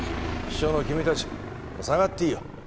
秘書の君たちもう下がっていいよ。